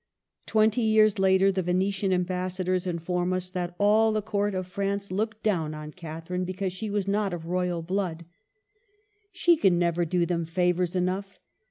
Twenty years later the Venetian Am bassadors inform us that all the Court of France l66 MARGARET OF ANGOUL^ME. looked down on Catherine because she was not of royal blood :— "She can never do them favors enough.